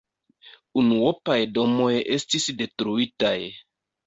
Unuopaj domoj estis detruitaj.